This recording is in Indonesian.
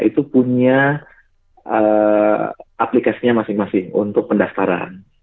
itu punya aplikasinya masing masing untuk pendaftaran